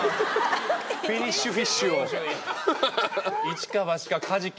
フィニッシュフィッシュを。